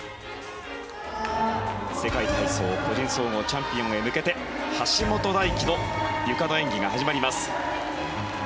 世界体操個人総合チャンピオンへ向けて橋本大輝のゆかの演技が始まります。